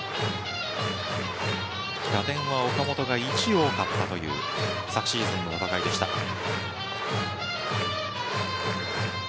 打点は岡本が１多かったという昨シーズンの戦いでした。